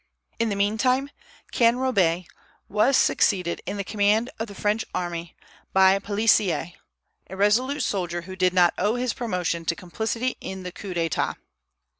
In the meantime Canrobert was succeeded in the command of the French army by Pélissier, a resolute soldier who did not owe his promotion to complicity in the coup d'état.